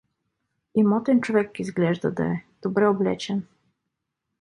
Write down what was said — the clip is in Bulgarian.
Имотен човек изглежда да е, добре облечен.